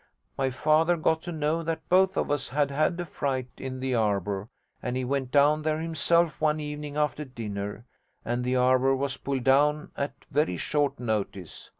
My father got to know that both of us had had a fright in the arbour, and he went down there himself one evening after dinner, and the arbour was pulled down at very short notice.